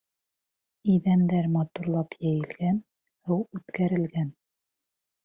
Иҙәндәр матурлап йәйелгән, һыу үткәрелгән.